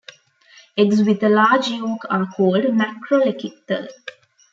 Eggs with a large yolk are called macrolecithal.